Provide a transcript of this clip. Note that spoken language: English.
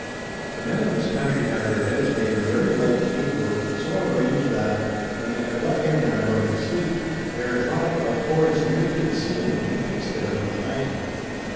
The men of this country have their beds made of very light canework, so arranged that, when they have got in and are going to sleej), they are drawn up by cords nearly to the ceiling and fixed there for the night.